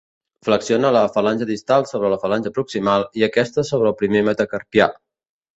Flexiona la falange distal sobre la falange proximal i aquesta sobre el primer metacarpià.